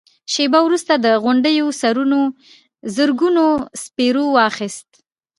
شېبه وروسته د غونډيو سرونو زرګونو سپرو واخيست.